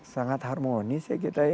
sangat harmonis ya kita ya